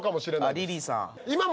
あっリリーさん。